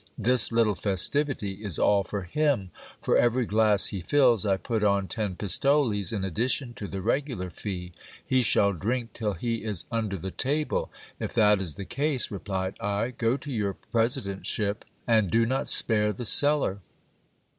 This little festivity s all for him. For every glass he fills, I put on ten pistoles, in addition to the regular fee. He shall drink till he is under the table. If that is the case, replied I, go to your presidentship, and do not spare the cellar.